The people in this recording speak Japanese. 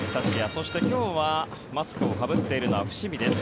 そして今日はマスクをかぶっているのは伏見です。